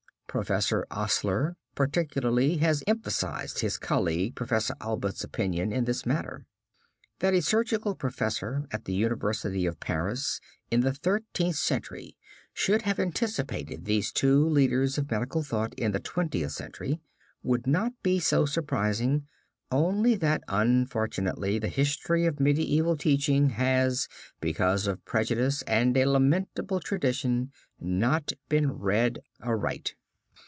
Professor Osler, particularly, has emphasized his colleague, Professor Allbutt's opinion in this matter. That a surgical professor at the University of Paris, in the Thirteenth Century, should have anticipated these two leaders of medical thought in the Twentieth Century, would not be so surprising, only that unfortunately the history of medieval teaching has, because of prejudice and a lamentable tradition, not been read aright.